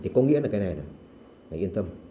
thì có nghĩa là cái này này hãy yên tâm